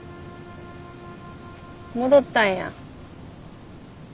戻ったんや。